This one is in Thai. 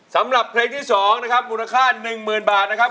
สำหรับเพลงที่๒นะครับมูลค่า๑๐๐๐บาทนะครับ